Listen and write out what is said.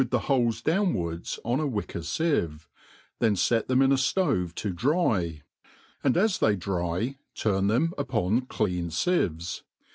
the holes cjownwards on a wicker fieve, then fet them in a ftove to dry, and as they dry turn them upo;i clean fievefl.